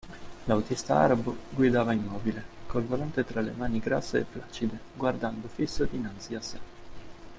L'autista arabo guidava immobile, col volante tra le mani grasse e flaccide, guardando fisso dinanzi a sé.